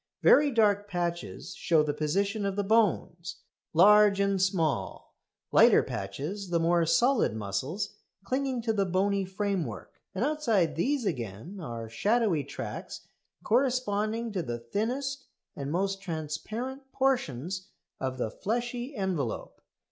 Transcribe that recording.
Very dark patches show the position of the bones, large and small; lighter patches the more solid muscles clinging to the bony framework; and outside these again are shadowy tracts corresponding to the thinnest and most transparent portions of the fleshy envelope.